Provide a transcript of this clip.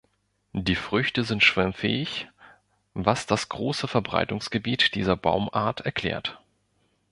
Die Früchte sind schwimmfähig, was das große Verbreitungsgebiet dieser Baumart erklärt.